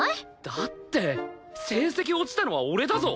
だって成績落ちたのは俺だぞ！？